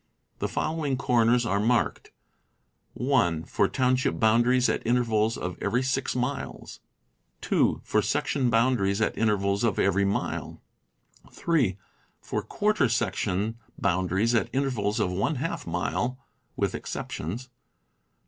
The following corners are marked: (1) For township boundaries, at intervals of every P ^, six miles. (2) For section boundaries, at inter vals of every mile. (3) For quarter section boundaries, at intervals of one half mile (with exceptions).